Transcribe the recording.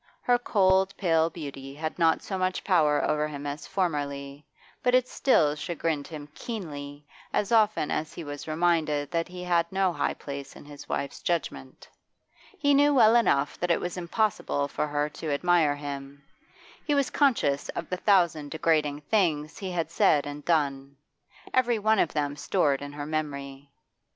Her cold, pale beauty had not so much power over him as formerly, but it still chagrined him keenly as often as he was reminded that he had no high place in his wife's judgment. He knew well enough that it was impossible for her to: admire him; he was conscious of the thousand degrading things he had said and done, every one of them stored in her memory.